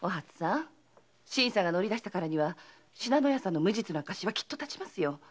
新さんが乗り出したからには信濃屋さんの無実の証はきっと立ちますよ。